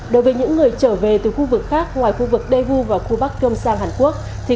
đối với những người trở về từ khu vực khác ngoài khu vực daegu và khu bắc gyeongsang hàn quốc thì